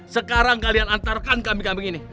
sekarang kalian antarkan kambing kambing ini